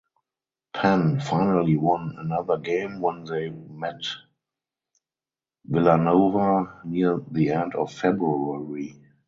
Penn finally won another game when they met Villanova near the end of February.